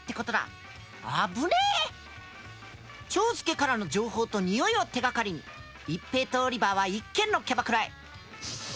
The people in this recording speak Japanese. チョウスケからの情報と匂いを手がかりに一平とオリバーは一軒のキャバクラへ。